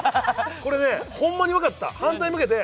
これねホンマに分かった反対向けて